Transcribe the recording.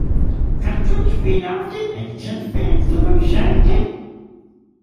Kannst du nicht wieder auf den Actionfilm zurückschalten?